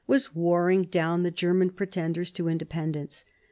47 was warring down the German pretenders to inde pendence.